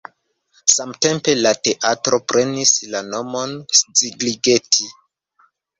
Samtempe la teatro prenis la nomon Szigligeti.